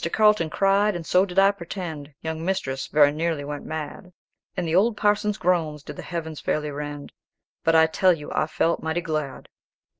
Carlton cried, and so did I pretend; Young mistress very nearly went mad; And the old parson's groans did the heavens fairly rend; But I tell you I felt mighty glad.